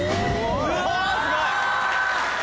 うわすごい！